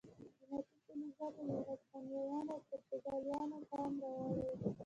قیمتي فلزاتو د هسپانویانو او پرتګالیانو پام را اړاوه.